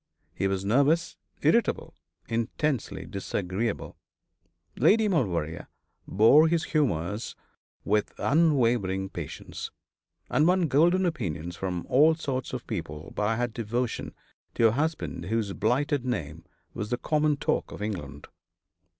He was nervous, irritable, intensely disagreeable. Lady Maulevrier bore his humours with unwavering patience, and won golden opinions from all sorts of people by her devotion to a husband whose blighted name was the common talk of England.